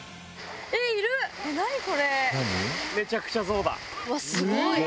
うわすごい！